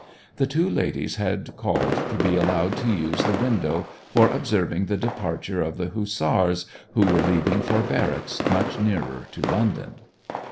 The two ladies had called to be allowed to use the window for observing the departure of the Hussars, who were leaving for barracks much nearer to London.